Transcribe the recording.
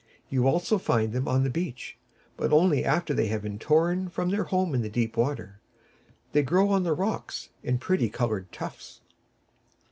You also find them on the beach, but only after they have been torn from their home in the deep water. They grow on the rocks, in pretty coloured tufts.